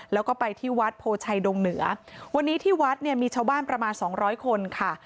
แล้วก็ไปที่วัดโพชัยดงเหนือวันนี้ที่วัดเนี่ยมีชาวบ้านประมาณสองร้อยคนค่ะ